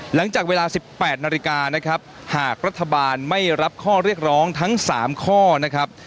หลังจากเวลา๑๘นาฬิกานะครับหากรัฐบาลไม่รับข้อเรียกร้องทั้ง๓ข้อนะครับ